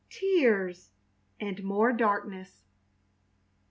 Tears and more darkness!